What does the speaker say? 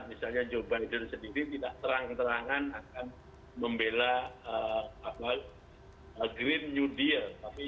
misalnya joe biden sendiri tidak terang terangan akan membela green new deal